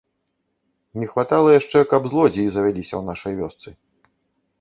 Не хватала яшчэ, каб злодзеі завяліся ў нашай вёсцы.